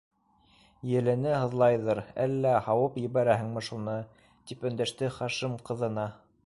Елене һыҙлайҙыр, әллә һауып ебәрәһеңме шуны? - тип өндәште Хашим ҡыҙына.